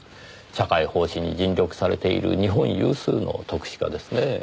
社会奉仕に尽力されている日本有数の篤志家ですねぇ。